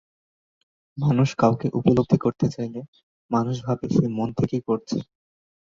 মানুষ কাউকে উপলব্ধি করতে চাইলে মানুষ ভাবে সে মন থেকেই করছে।